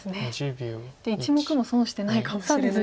じゃあ１目も損してないかもしれない。